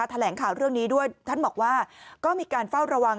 แถลงข่าวเรื่องนี้ด้วยท่านบอกว่าก็มีการเฝ้าระวัง